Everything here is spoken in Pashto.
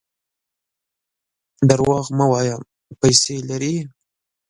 درواغ مه وایه ! پیسې لرې.